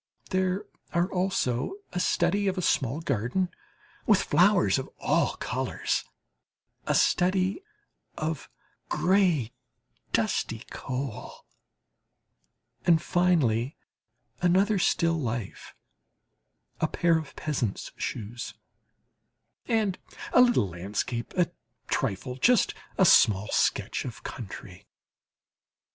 There are also a study of a small garden with flowers of all colours, a study of grey, dusty coal, and finally another still life, "A Pair of Peasant's Shoes," and a little landscape, a trifle, just a small stretch of country.